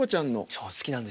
そう好きなんですよ。